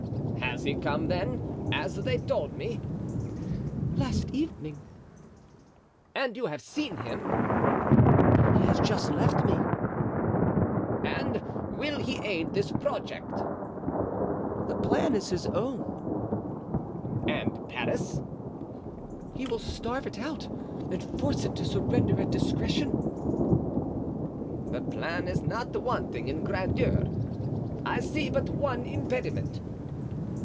"He has come, then, as they told me?" "Last evening." "And you have seen him?" "He has just left me." "And will he aid this project?" "The plan is his own." "And Paris?" "He will starve it out and force it to surrender at discretion." "The plan is not wanting in grandeur; I see but one impediment."